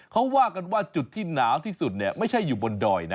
เขาว่ากันว่าจุดที่หนาวที่สุดเนี่ยไม่ใช่อยู่บนดอยนะ